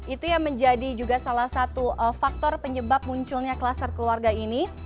itu yang menjadi juga salah satu faktor penyebab munculnya kluster keluarga ini